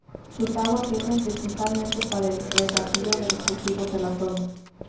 Sus aguas sirven principalmente para el regadío de los cultivos de la zona.